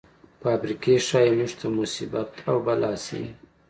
فابریکې ښايي موږ ته مصیبت او بلا شي.